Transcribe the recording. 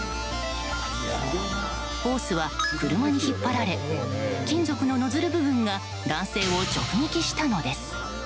ホースは車に引っ張られ金属のノズル部分が男性を直撃したのです。